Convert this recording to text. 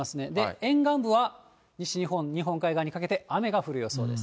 沿岸部は西日本、日本海側にかけて雨が降る予想です。